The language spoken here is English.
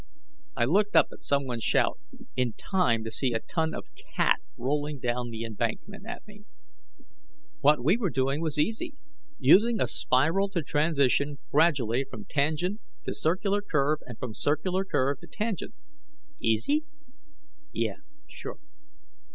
I looked up at someone's shout, in time to see a ton of cat rolling down the embankment at me. What we were doing was easy. Using a spiral to transition gradually from tangent to circular curve and from circular curve to tangent. Easy? Yeah. Sure.